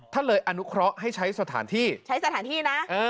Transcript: ท่านเลยอนุเคราะห์ให้ใช้สถานที่ใช้สถานที่นะ